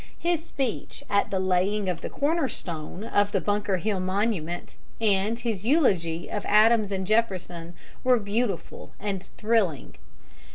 His speech at the laying of the corner stone of the Bunker Hill Monument, and his eulogy of Adams and Jefferson, were beautiful and thrilling.